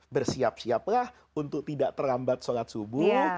bersiap siaplah untuk tidak terlambat sholat subuh